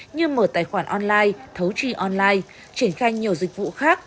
như mở tài khoản online thấu trì online triển khai nhiều dịch vụ khác